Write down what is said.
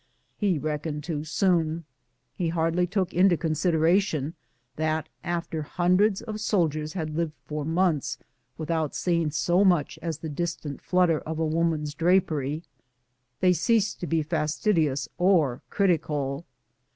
He reckoned too soon. He hard DOMESTIC TRIALS. 197 \y took into cousideration that after hundreds of sol diers had lived for months without seeing so much as the distant flutter of a woman's drapery, they ceased to be fastidious or critical.